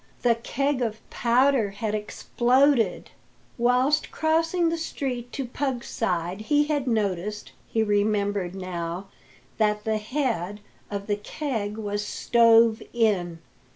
The keg of powder had exploded! Whilst crossing the street to Pug's side he had noticed, he remembered now, that the head, of the keg was stove in.